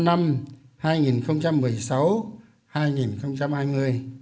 năm năm hai nghìn một mươi sáu